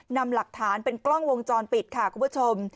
นำหลักฐานเป็นกล้องวงจรปิดค่ะคุณผู้ชม